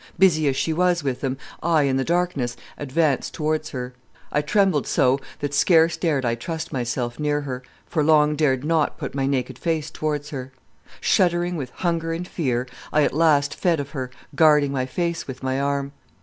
Busy as she was with them, I in the darkness advanced towards her. I trembled so that scarce dared I trust myself near her, for long dared not put my naked face towards her. Shuddering with hunger and fear, I at last fed of her, guarding my face with my arm.